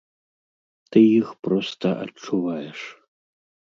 Ты іх проста адчуваеш.